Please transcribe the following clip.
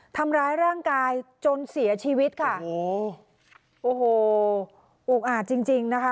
ทำร้ายร่างกายจนเสียชีวิตค่ะโอ้โหโอ้โหอุกอาจจริงจริงนะคะ